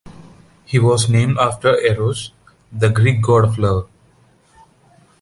He was named after Eros, the Greek god of love.